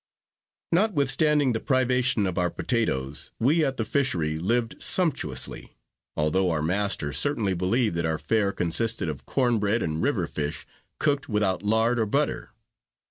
Notwithstanding the privation of our potatoes, we at the fishery lived sumptuously, although our master certainly believed that our fare consisted of corn bread and river fish, cooked without lard or butter.